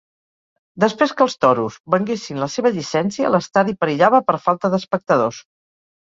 Després que els Toros venguessin la seva llicència, l'estadi perillava per falta d'espectadors.